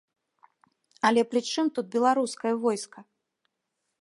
Але пры чым тут беларускае войска?